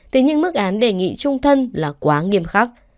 thế nhưng mức án đề nghị trung thân là quá nghiêm khắc